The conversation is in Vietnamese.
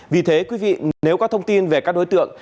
vì thế quý vị nếu có thông tin về các đối tượng